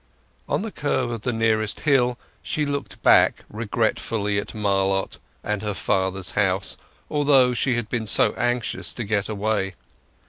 On the curve of the nearest hill she looked back regretfully at Marlott and her father's house, although she had been so anxious to get away.